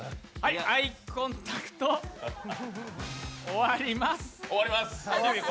アイコンタクト終わります。